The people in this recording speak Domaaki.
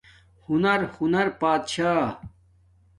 ہنر، ہنر بات شاہ ۔